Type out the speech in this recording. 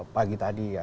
pagi tadi ya